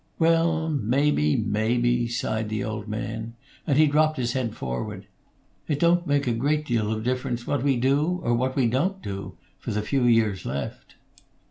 "Well, maybe, maybe," sighed the old man; and he dropped his head forward. "It don't make a great deal of difference what we do or we don't do, for the few years left."